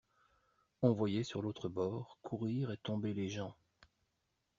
On voyait, sur l'autre bord, courir et tomber les gens.